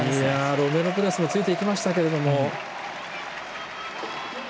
ロメロペレスもついていきましたけれども。